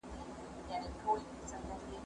زه به سبا کتابونه ولولم